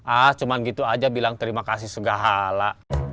ah cuma gitu aja bilang terima kasih segala